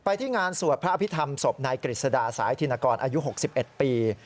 ที่งานสวดพระอภิษฐรรมศพนายกฤษดาสายธินกรอายุ๖๑ปี